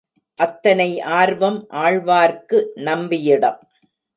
அத்தனை ஆர்வம் ஆழ்வார்க்கு நம்பியிடம்.